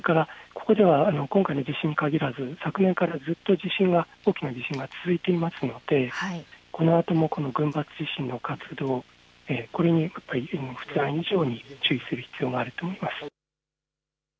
今回の地震に限らず昨年からずっと大きな地震が続いていますのでこのあとも群発地震の活動、これにふだん以上に注意する必要があると思います。